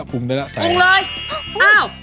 ปรุงได้แล้ว